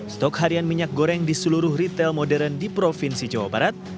stok harian minyak goreng di seluruh retail modern di provinsi jawa barat